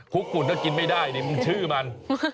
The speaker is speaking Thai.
คลุกฝุ่นก็กินไม่ได้นี่มันชื่อมัน